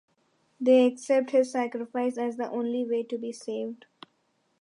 They accept his sacrifice as the only way to be saved.